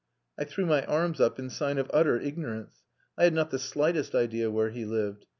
I threw my arms up in sign of utter ignorance. I had not the slightest idea where he lived.